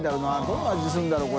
どんな味するんだろう？